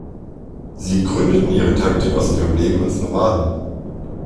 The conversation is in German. Sie gründeten ihre Taktik aus ihrem Leben als Nomaden.